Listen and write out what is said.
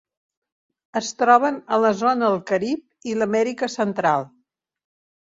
Es troben a la zona del Carib i l'Amèrica Central.